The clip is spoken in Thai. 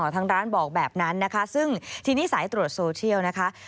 ทางร้านบอกแบบนั้นนะคะซึ่งทีนี้สายตรวจโซเชียลนะคะ